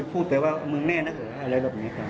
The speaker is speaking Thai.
พูดไปว่ามึงแน่นะเหอะอะไรแบบนี้ครับ